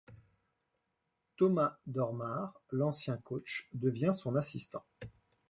Thomas Dormard, l'ancien coach, devient son assistant.